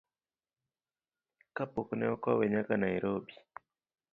Kapok ne okowe nyaka Nairobi.